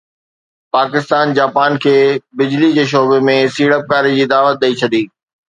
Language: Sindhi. پاڪستان جاپان کي بجلي جي شعبي ۾ سيڙپڪاري جي دعوت ڏئي ڇڏي